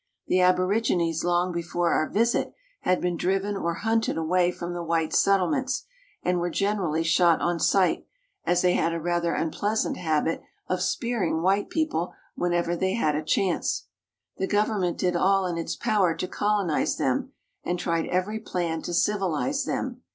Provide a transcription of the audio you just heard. The aborigines long before our visit had been driven or hunted away from the white set tlements, and were generally shot on sight, SKETCHES OF TRAVEL as they had a rather unpleasant habit of spearing white people whenever they had a chance. The government did all in its power to colonize them, and tried every plan to civilize them.